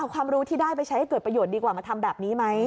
ความรู้ที่ได้ไปใช้ให้เกิดประโยชน์ดีกว่ามาทำแบบนี้ไหม